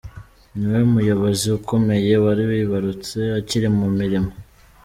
Ni we muyobozi ukomeye wari wibarutse akiri mu mirimo.